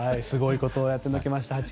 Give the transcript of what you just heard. すごいことをやってくれました。